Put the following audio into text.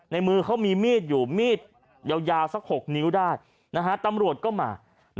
ในมือเขามีมีดอยู่มีดยาวสัก๖นิ้วได้ตำรวจก็มา